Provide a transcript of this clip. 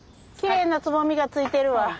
きれいなつぼみがついてるわ。